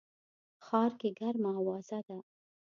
ښار کي ګرمه اوازه ده